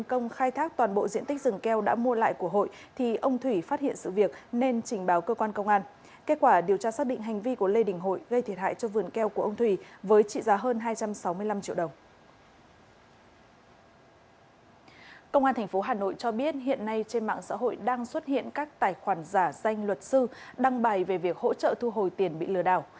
công an tp hà nội cho biết hiện nay trên mạng xã hội đang xuất hiện các tài khoản giả danh luật sư đăng bài về việc hỗ trợ thu hồi tiền bị lừa đảo